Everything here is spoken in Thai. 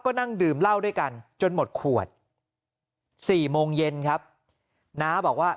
ก็นั่งดื่มเหล้าด้วยกันจนหมดขวด๔โมงเย็นครับน้าบอกว่า